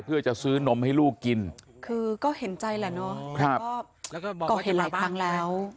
เพื่อจะซื้อนมให้ลูกกินคือก็เห็นใจแหละเนาะก็ก่อเหตุหลายครั้งแล้ว